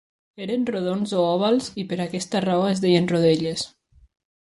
Eren rodons o ovals i per aquesta raó es deien rodelles.